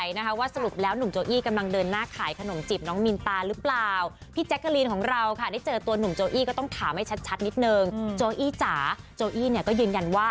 หนูเองชื่นชมแล้วก็ชื่นชอบเหมือนกันค่ะ